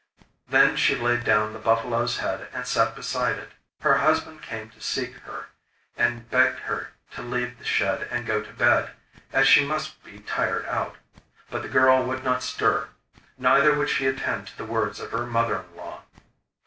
Then she laid down the buffalo's head and sat beside it. Her husband came to seek her, and begged her to leave the shed and go to bed, as she must be tired out; but the girl would not stir, neither would she attend to the words of her mother in law.